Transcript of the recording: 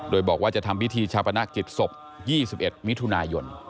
โดยบอกว่าจะทำพิธีชาปนกิจศพ๒๑มิถุนายน